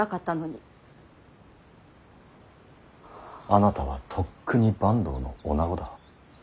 あなたはとっくに坂東の女子だ。